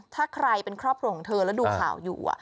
ถ้าใครเป็นครอบครัวของเธอแล้วดูข่าวอยู่